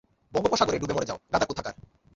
বঙ্গোপসাগরে ডুবে মরে যাও, গাধা কোথাকার!